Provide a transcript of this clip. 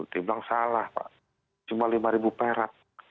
dia bilang salah pak cuma lima ribu perak